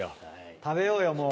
食べようよもう。